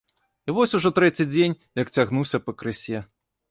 І вось ужо трэці дзень, як цягнуся пакрысе.